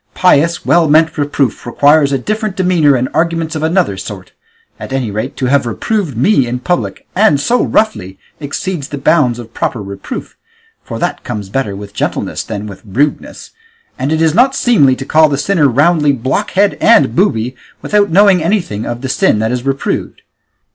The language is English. Pious, well meant reproof requires a different demeanour and arguments of another sort; at any rate, to have reproved me in public, and so roughly, exceeds the bounds of proper reproof, for that comes better with gentleness than with rudeness; and it is not seemly to call the sinner roundly blockhead and booby, without knowing anything of the sin that is reproved.